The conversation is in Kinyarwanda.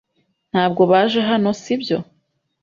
Ntabwo baje hano, si byo?